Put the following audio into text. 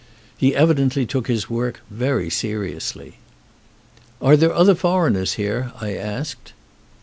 He evidently took his work very seriously. "Are there other foreigners here?" I asked.